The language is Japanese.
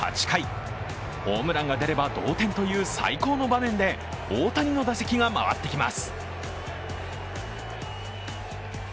８回、ホームランが出れば同点という最高の場面で大谷の打席が回ってきます。